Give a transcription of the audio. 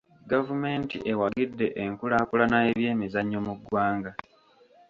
Gavumenti ewagidde enkulaakulana y'ebyemizannyo mu ggwanga.